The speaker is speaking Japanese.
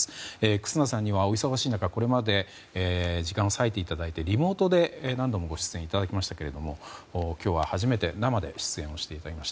忽那さんにはお忙しい中これまで時間を割いていただいてリモートで何度もご出演いただきましたけれども今日は初めて生で出演していただきます。